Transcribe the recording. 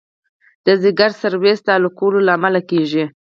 د ځګر سیروسس د الکولو له امله کېږي.